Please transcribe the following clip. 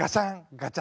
ガチャ！